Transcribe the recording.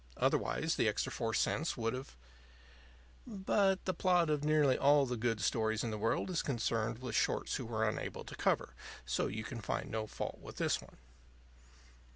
Otherwise, the extra four cents would have But the plot of nearly all the good stories in the world is concerned with shorts who were unable to cover; so you can find no fault with this one.